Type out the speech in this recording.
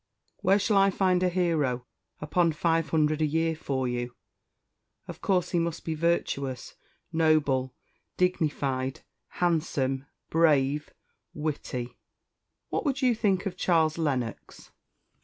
Where shall I find a hero upon five hundred a year for you? Of course he must be virtuous, noble, dignified, handsome, brave, witty. What would you think of Charles Lennox?"